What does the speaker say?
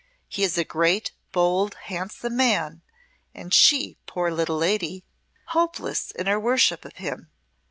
He is a great, bold, handsome man, and she, poor little lady, hopeless in her worship of him.